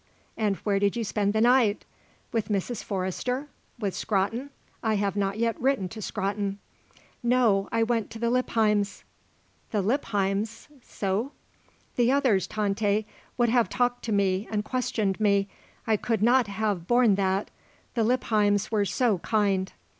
And where did you spend the night? With Mrs. Forrester? With Scrotton? I have not yet written to Scrotton." "No. I went to the Lippheims." "The Lippheims? So?" "The others, Tante, would have talked to me; and questioned me. I could not have borne that. The Lippheims were so kind."